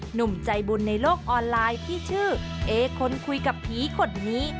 หนุ่มใจบุญในโลกออนไลน์ที่ชื่อเอคนคุยกับผีคนนี้